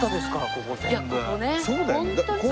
ここね。